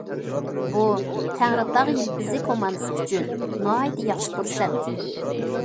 بۇ تەڭرىتاغ يىلپىزى كوماندىسى ئۈچۈن ناھايىتى ياخشى پۇرسەت.